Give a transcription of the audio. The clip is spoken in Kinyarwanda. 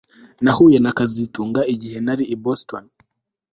Nahuye na kazitunga igihe nari i Boston